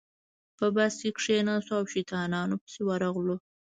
په بس کې کېناستو او شیطانانو پسې ورغلو.